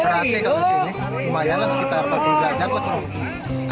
teraksi kalau disini lumayan lah sekitar sepuluh jatuh